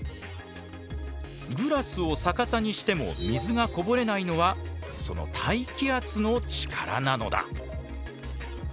グラスを逆さにしても水がこぼれないのはその大気圧の力なのだ。